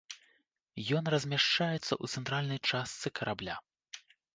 Ён размяшчаецца ў цэнтральнай частцы карабля.